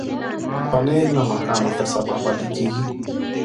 پنېر له ماښامه تر سبا پاتې کېږي.